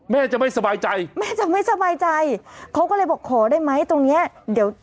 แม่จะไม่สบายใจแม่จะไม่สบายใจเขาก็เลยบอกขอได้ไหมตรงเนี้ยเดี๋ยว